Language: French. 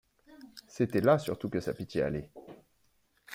C’était là surtout que sa pitié allait.